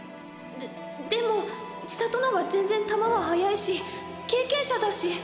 ででも千里の方が全然球は速いし経験者だし。